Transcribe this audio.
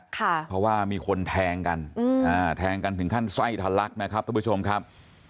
เพราะว่ามีคนแทงกันแทงกันถึงขั้นไส้ทะลักนะครับท่านผู้ชมครับ